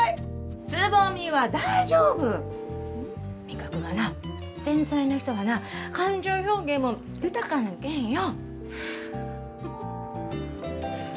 蕾未は大丈夫味覚がな繊細な人はな感情表現も豊かやけんよ